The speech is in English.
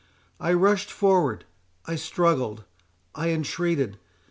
—I rushed forward—I struggled—I entreated.